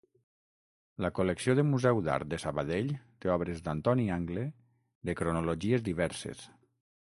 La col·lecció del Museu d’Art de Sabadell té obres d’Antoni Angle, de cronologies diverses.